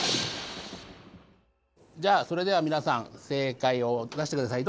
じゃあそれではみなさん正解を出してください。